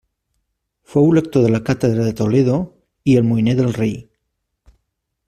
Fou lector de la catedral de Toledo i almoiner del rei.